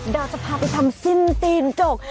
เราจะพาไปทำสิ้นตีนจก